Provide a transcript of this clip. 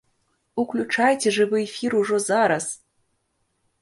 Уключайце жывы эфір ужо зараз!